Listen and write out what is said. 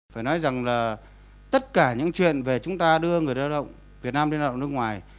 phải nói rằng là tất cả những chuyện về chúng ta đưa người lao động việt nam đi lao động nước ngoài